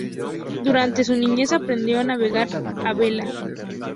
Durante su niñez aprendió a navegar a vela.